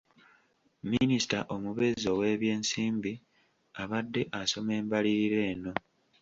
Minisita omubeezi ow’ebyensimbi abadde asoma embalirira eno.